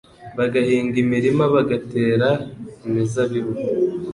bagahinga imirima bagatera imizabibu